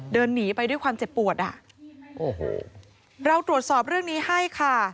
เดินหนีไปด้วยความเจ็บปวดอ่ะโอ้โหเราตรวจสอบเรื่องนี้ให้ค่ะ